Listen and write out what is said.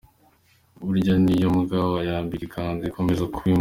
Burya n’iyo imbwa wayambika ikanzu ikomeza kuba imbwa.